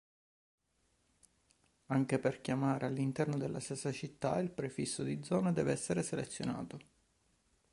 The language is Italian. Anche per chiamare all'interno della stessa città il prefisso di zona deve essere selezionato.